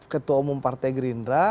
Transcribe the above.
ketua umum partai gerindra